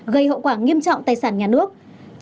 gây hậu quả nghiêm trọng tài sản nhà nước